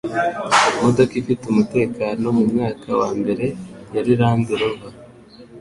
imodoka ifite umutekano mu mwaka wa mbere yari Land Rover